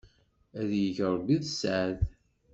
Ad t-yegg rebbi d sseɛd.